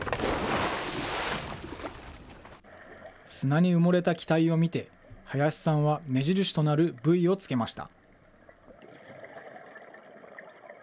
砂に埋もれた機体を見て、林さんは目印となるブイを付けました。